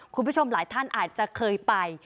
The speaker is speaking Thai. คุณผู้ชมหลายท่านอาจจะเคยไป